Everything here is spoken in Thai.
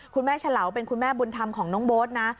เฉลาวเป็นคุณแม่บุญธรรมของน้องโบ๊ทนะ